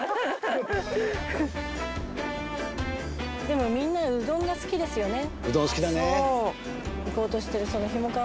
でもみんなうどんが好きですよね。